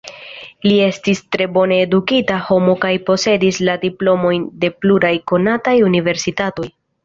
Li estis tre bone edukita homo kaj posedis la diplomojn de pluraj konataj universitatoj.